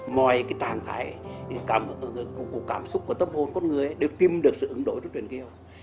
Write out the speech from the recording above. mọi cái tàn thải của cảm xúc của tâm hồn của con người đều tìm được sự ứng đổi của truyền kiều